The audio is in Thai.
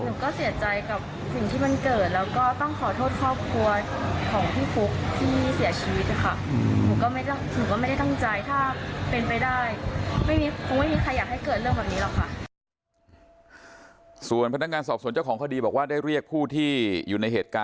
หนูก็เสียใจกับสิ่งที่มันเกิดแล้วก็ต้องขอโทษครอบครัวของพี่ฟุ๊กที่เสียชีวิตนะคะ